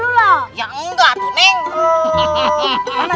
noite yang baik baik saja kita